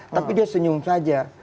tapi dia senyum saja